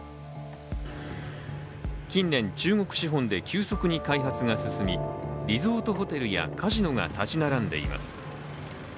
近年、中国資本で急速に開発が進みリゾートホテルやカジノが建ち並んでいます。